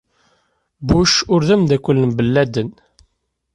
Bush ur d ameddakel n Ben Laden.